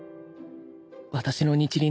私の日輪